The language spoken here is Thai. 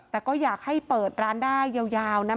แต่ก็อยากให้เปิดร้านได้ยาวนะ